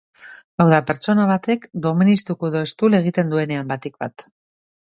Hau da, pertsona batek doministiku edo eztul egiten duenean, batik bat.